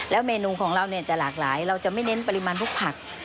เมนูของเราจะหลากหลายเราจะไม่เน้นปริมาณพวกผัก